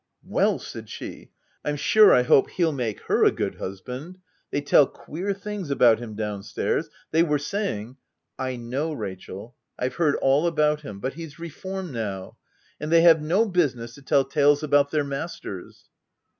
"Well!" said she, " I'm sure I hope he'll make her a good husband. They tell queer things about him down stairs. They were saying— "" I know Rachel — Fve heard all about him ; but he's reformed now. And they have no business to tell tales about their masters."